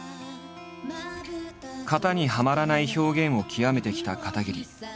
型にはまらない表現を極めてきた片桐。